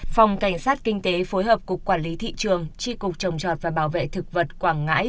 phòng cảnh sát kinh tế phối hợp cục quản lý thị trường tri cục trồng trọt và bảo vệ thực vật quảng ngãi